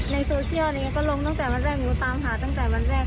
ในโซเชียลก็ลงตั้งแต่วันแรกหนูตามหาตั้งแต่วันแรก